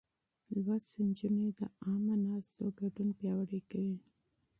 زده کړې نجونې د عامه ناستو ګډون پياوړی کوي.